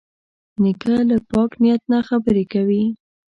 نیکه له پاک نیت نه خبرې کوي.